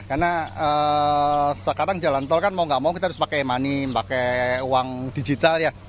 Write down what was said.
karena sekarang jalan tol kan mau gak mau kita harus pakai money pakai uang digital ya